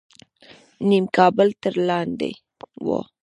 نیم کابل تر لاندې و.